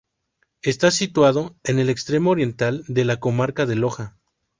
Está situado en el extremo oriental de la comarca de Loja.